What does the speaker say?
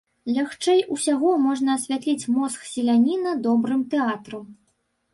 Лягчэй усяго можна асвятліць мозг селяніна добрым тэатрам.